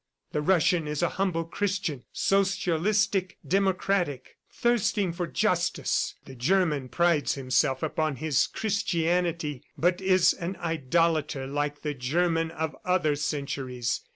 The Russian is a humble Christian, socialistic, democratic, thirsting for justice; the German prides himself upon his Christianity, but is an idolator like the German of other centuries.